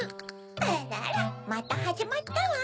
あらあらまたはじまったわ。